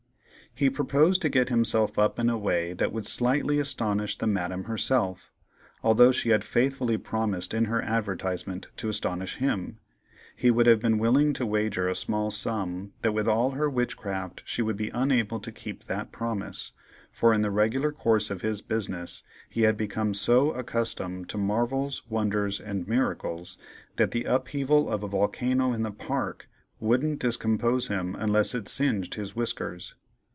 He proposed to get himself up in a way that would slightly astonish the Madame herself, although she had faithfully promised in her advertisement to astonish him. He would have been willing to wager a small sum that with all her witchcraft she would be unable to keep that promise, for in the regular course of his business, he had become so accustomed to marvels, wonders, and miracles, that the upheaval of a volcano in the Park wouldn't discompose him unless it singed his whiskers.